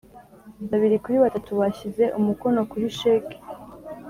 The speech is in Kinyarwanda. Babiri kuri batatu bashyize umukono kuri sheik